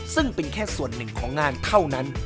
ซึ่งเป็นแค่ส่วนหนึ่งของงานเท่านั้น